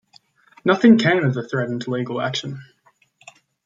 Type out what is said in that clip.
Nothing came of the threatened legal action.